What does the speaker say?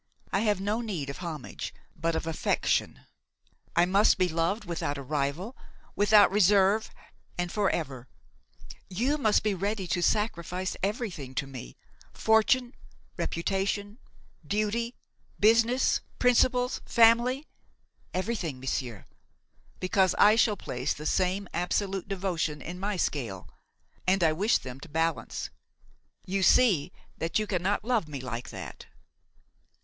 I have no need of homage, but of affection. I must be loved without a rival, without reserve and forever; you must be ready to sacrifice everything to me, fortune, reputation, duty, business, principles, family–everything, monsieur, because I shall place the same absolute devotion in my scale, and I wish them to balance. You see that you cannot love me like that!"